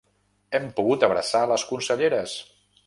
Hem pogut abraçar les conselleres!